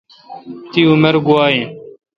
تی عمر گوا این۔